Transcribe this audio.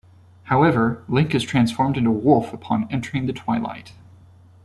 However, Link is transformed into a wolf upon entering the twilight.